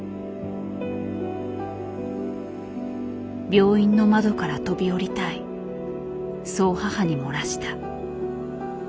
病院の窓から飛び降りたいそう母に漏らした。